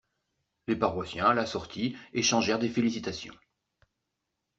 Les paroissiens à la sortie, échangèrent des félicitations.